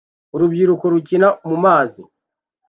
Urubyiruko rukina mumazi